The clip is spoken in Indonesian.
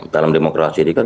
dalam demokrasi ini kan